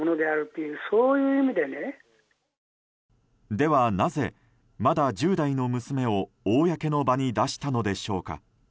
ではなぜ、まだ１０代の娘を公の場に出したのでしょうか。